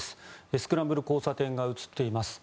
スクランブル交差点が映っています。